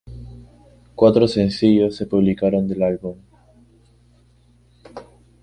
Cuatro sencillos se publicaron del álbum.